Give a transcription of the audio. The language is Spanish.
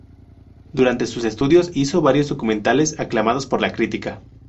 Durante sus estudios hizo varios documentales, aclamados por la crítica.